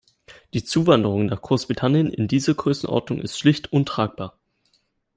Die Zuwanderung nach Großbritannien in dieser Größenordnung ist schlicht untragbar.